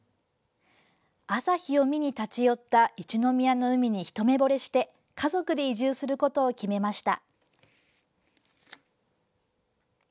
朝日を見に立ち寄った一宮の海に一目ぼれして家族で移住することを決めました。